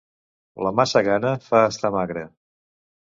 La massa gana fa estar magre.